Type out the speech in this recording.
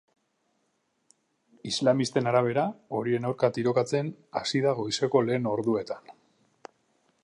Islamisten arabera, horien aurka tirokatzen hasi da goizeko lehen orduetan.